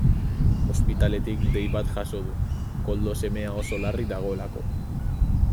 Ospitaletik dei bat jaso du, Koldo semea oso larri dagoelako.